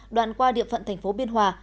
đoạn qua địa phận thành phố biên hòa